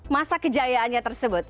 masa kejayaannya tersebut